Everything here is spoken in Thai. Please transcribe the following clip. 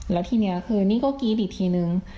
แล้วทีนี้คือนี่ก็กรี๊ดอีกทีนึง